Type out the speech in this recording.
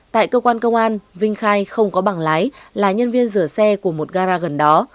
tại cơ quan công an vinh khai không có bảng lái là nhân viên rửa xe của một gara gần đó